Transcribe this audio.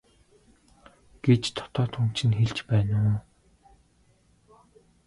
гэж дотоод хүн чинь хэлж байна уу?